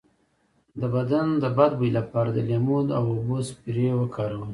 د بدن د بد بوی لپاره د لیمو او اوبو سپری وکاروئ